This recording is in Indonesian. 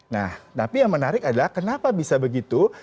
nah tapi yang menarik adalah kenapa bisa begitu